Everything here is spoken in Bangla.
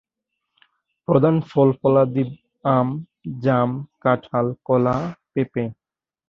প্রধান ফল-ফলাদিব আম, জাম, কাঁঠাল, কলা, পেঁপে।